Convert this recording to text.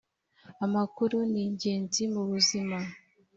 amakuru ningenzi mubuzima.